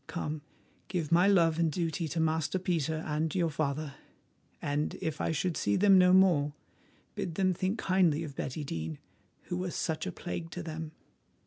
Come, give my love and duty to Master Peter and your father, and if I should see them no more, bid them think kindly of Betty Dene, who was such a plague to them."